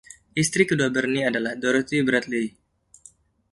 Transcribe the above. Istri kedua Bernie adalah Dorothy Bradley.